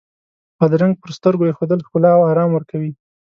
بادرنګ پر سترګو ایښودل ښکلا او آرام ورکوي.